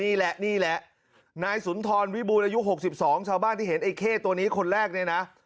นี่แหละนี่แหละนายสุนทรวิบูรณอายุ๖๒ชาวบ้านที่เห็นไอ้เข้ตัวนี้คนแรกเนี่ยนะ